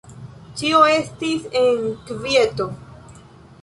Ĉio estis en kvieto.